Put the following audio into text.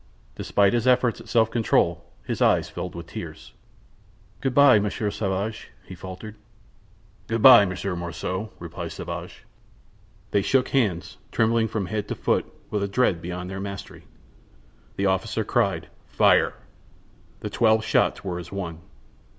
Despite his efforts at self control his eyes filled with tears. "Good by, Monsieur Sauvage," he faltered. "Good by, Monsieur Morissot," replied Sauvage. They shook hands, trembling from head to foot with a dread beyond their mastery. The officer cried: "Fire!" The twelve shots were as one.